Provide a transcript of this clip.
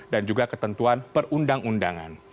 dan juga ketentuan perundang undangan